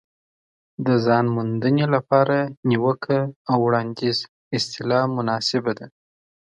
د ځان موندنې لپاره نیوکه او وړاندیز اصطلاح مناسبه ده.